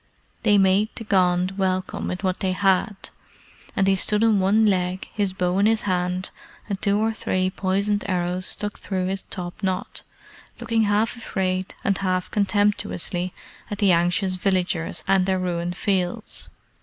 They made the Gond welcome with what they had, and he stood on one leg, his bow in his hand, and two or three poisoned arrows stuck through his top knot, looking half afraid and half contemptuously at the anxious villagers and their ruined fields.